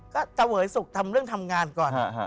ก็เตะเวยสุขทำเรื่องทำงานก่อน